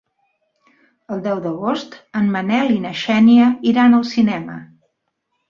El deu d'agost en Manel i na Xènia iran al cinema.